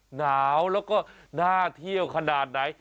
หนาวแล้วก็น่าเที่ยวขนาดไหน